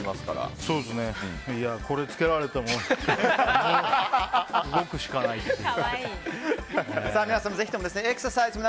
これを着けられて動くしかないという。